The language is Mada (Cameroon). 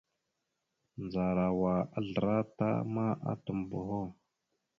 Ndzarawa azlərat ma atam boho.